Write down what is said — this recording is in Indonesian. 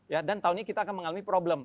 ya dan tahun ini kita akan mengalami problem